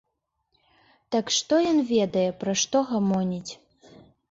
Так што ён ведае, пра што гамоніць.